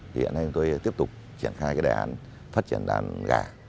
hiện nay chúng tôi tiếp tục triển khai cái đề án phát triển đàn gà